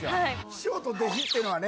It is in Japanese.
「師匠と弟子っていうのはね